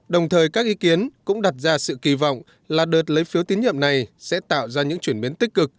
đồng thời các ý kiến cũng đặt ra sự kỳ vọng là đợt lấy phiếu tín nhiệm này sẽ tạo ra những chuyển biến tích cực